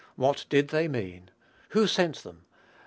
What did they mean? Who sent them?